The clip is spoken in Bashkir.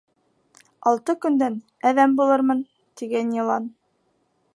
Алты көндән әҙәм булырмын, тигән йылан.